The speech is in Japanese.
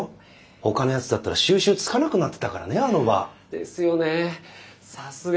ほかのやつだったら収拾つかなくなってたからねあの場。ですよねさすが。